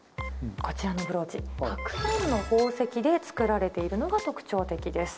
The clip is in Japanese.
こちらのブローチたくさんの宝石で作られているのが特徴的です。